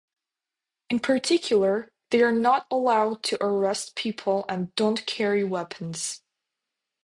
In particular, they are not allowed to arrest people and don't carry weapons.